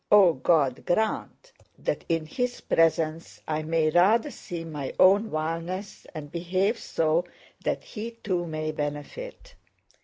O God, grant that in his presence I may rather see my own vileness, and behave so that he too may benefit.